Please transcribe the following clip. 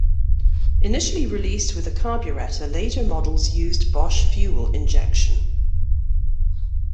Initially released with a carburetor, later models used Bosch fuel injection.